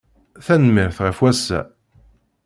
Tanemmirt ɣef wass-a.